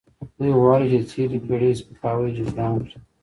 دوی غواړي چې د تیرې پیړۍ سپکاوی جبران کړي.